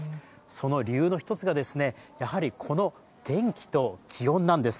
その理由の一つがですね、やはりこの天気と気温なんです。